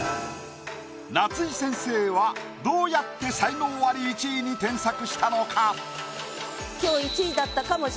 夏井先生はどうやって才能アリ１位に添削したのか？